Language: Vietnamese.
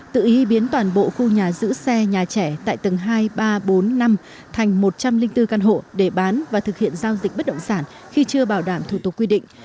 giữ xe nhà trẻ tại tầng hai ba bốn năm thành một trăm linh linh tư căn hộ để bán và thực hiện giao dịch bất động sản khi chưa bảo đảm thủ tục quy định